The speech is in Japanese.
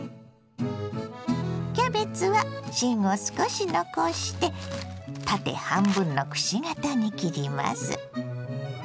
キャベツは芯を少し残して縦半分のくし形に切ります。